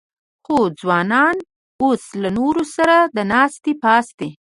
خو ځوانان اوس له نورو سره د ناستې پاستې